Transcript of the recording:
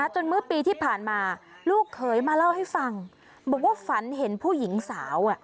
จนเมื่อปีที่ผ่านมาลูกเขยมาเล่าให้ฟังบอกว่าฝันเห็นผู้หญิงสาว